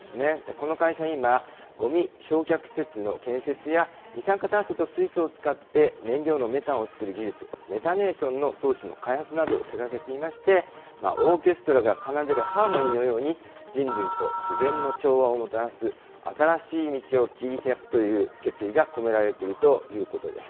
この会社は今、ごみ焼却施設の建設や、二酸化炭素と水素を使って燃料のメタンを作る技術、メタネーションの装置の開発などを手がけていまして、オーケストラが奏でるハーモニーのように、人類と自然の調和をもたらす新しい道を切り開くという決意が込められているということです。